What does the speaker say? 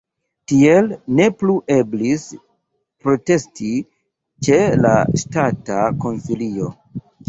Tiel ne plu eblis protesti ĉe la Ŝtata Konsilio.